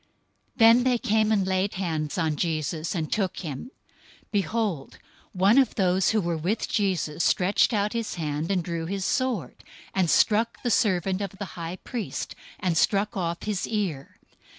Then they came and laid hands on Jesus, and took him. 026:051 Behold, one of those who were with Jesus stretched out his hand, and drew his sword, and struck the servant of the high priest, and struck off his ear.